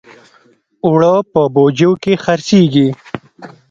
اوړه په بوجیو کې خرڅېږي